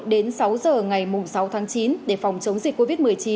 đến sáu giờ ngày sáu tháng chín để phòng chống dịch covid một mươi chín